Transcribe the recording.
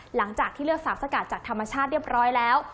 หลังจากที่เลือกสารสกัดจากธรรมชาติเรียบร้อยแล้ว